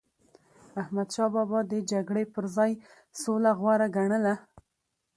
احمدشاه بابا به د جګړی پر ځای سوله غوره ګڼله.